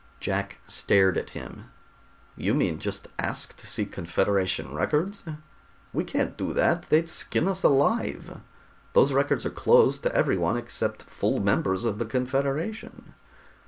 Jack stared at him. "You mean just ask to see Confederation records? We can't do that, they'd skin us alive. Those records are closed to everyone except full members of the Confederation."